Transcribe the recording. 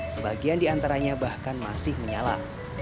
sebagian di antaranya bahkan masih menyala